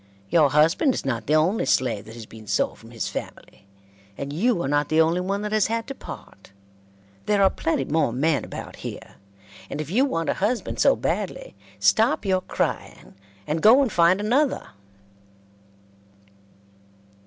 Your husband is not the only slave that has been sold from his family, and you are not the only one that has had to part. There are plenty more men about here, and if you want a husband so badly, stop your crying and go and find another."